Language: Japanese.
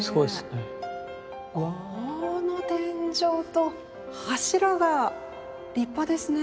この天井と柱が立派ですね。